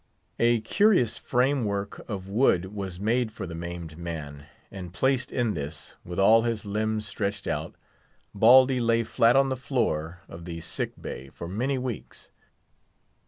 A curious frame work of wood was made for the maimed man; and placed in this, with all his limbs stretched out, Baldy lay flat on the floor of the Sick bay, for many weeks.